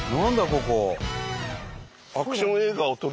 ここ。